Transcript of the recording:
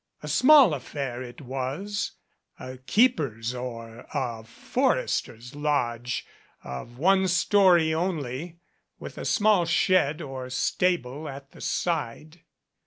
A small affair it was, a keeper's or a forester's lodge of one story only, with a small shed or stable at the side.